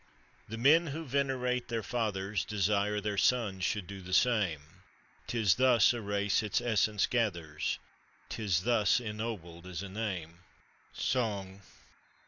The men who venerate their fathers, Desire their sons should do the same, ;Tis thus a race its essence gathers, 'Tis thus ennobled is a name! SONG.